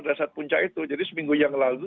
pada saat puncak itu jadi seminggu yang lalu